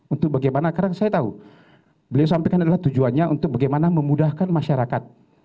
untuk bagaimana karena saya tahu beliau sampaikan adalah tujuannya untuk bagaimana memudahkan masyarakat